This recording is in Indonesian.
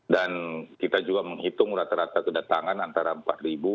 dan kita juga menghitung rata rata kedatangan antara empat ribu